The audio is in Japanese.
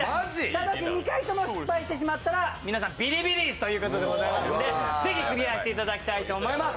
ただし２回とも失敗してしまったら皆さん、ビリビリ椅子になりますのでぜひクリアしていただきたいと思います。